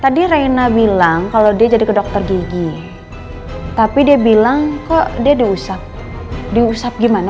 tadi reina bilang kalau dia jadi ke dokter gigi tapi dia bilang kok dia diusap diusap gimana